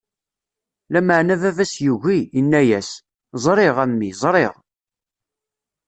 Lameɛna baba-s yugi, inna-as: Ẓriɣ, a mmi, ẓriɣ.